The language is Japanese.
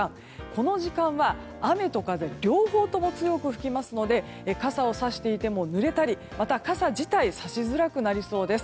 この時間は、雨と風両方とも強く吹きますので傘をさしていてもぬれたり傘自体さしづらくなりそうです。